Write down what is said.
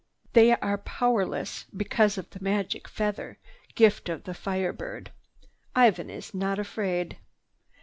They are powerless because of the magic feather, gift of the Fire Bird. Ivan is not afraid.